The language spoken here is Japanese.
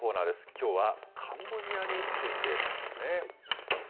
きょうはカンボジアについてなんですね。